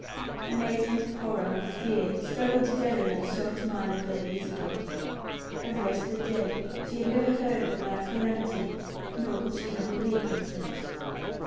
Amazement, horror, fear, struggled together in the shocked mind of Lady Isabel. Arrest the dead. She had never heard of a like calamity: nor could she have believed in such.